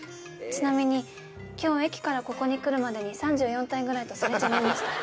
ちなみに今日駅からここに来るまでに３４体ぐらいとすれ違いました。